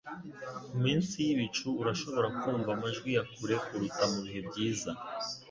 Ku minsi yibicu, urashobora kumva amajwi ya kure kuruta mubihe byiza